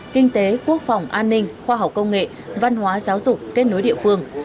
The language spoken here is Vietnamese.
kinh tế quốc phòng an ninh khoa học công nghệ văn hóa giáo dục kết nối địa phương